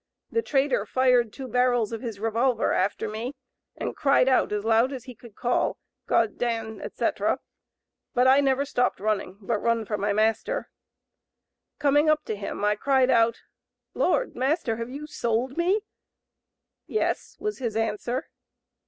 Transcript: The trader fired two barrels of his revolver after me, and cried out as loud as he could call, G d d n, etc., but I never stopped running, but run for my master. Coming up to him, I cried out, Lord, master, have you sold me? 'Yes,' was his answer.